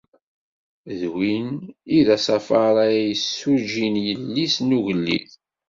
D win i d asafar ara yessujjin yelli-s n ugellid.